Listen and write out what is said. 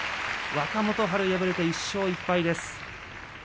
若元春、敗れて１勝１敗。